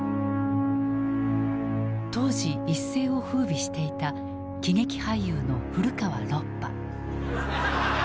当時一世を風靡していた喜劇俳優の古川ロッパ。